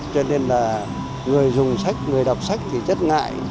cho nên là người dùng sách người đọc sách thì rất ngại